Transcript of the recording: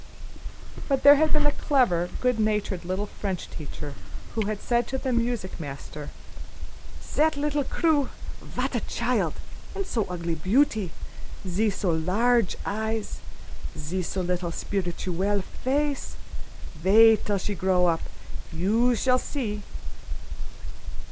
But there had been a clever, good natured little French teacher who had said to the music master: "Zat leetle Crewe. Vat a child! A so ogly beauty! Ze so large eyes! ze so little spirituelle face. Waid till she grow up. You shall see!"